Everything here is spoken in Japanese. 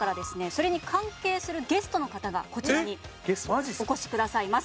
それに関係するゲストの方がこちらにお越しくださいます。